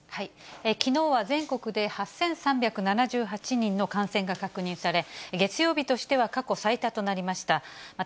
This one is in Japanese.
きのうは全国で８３７８人の感染が確認され、月曜日としては過去最多となりました。